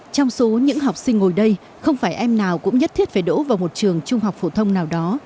trong số những học sinh ngồi đây không phải em nào cũng nhất thiết phải đổ vào một trường trung học phổ thông nào đó